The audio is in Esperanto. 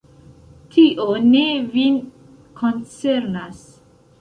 Tio ne vin koncernas.